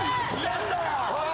おい！